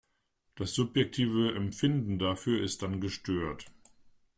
Das subjektive Empfinden dafür ist dann gestört.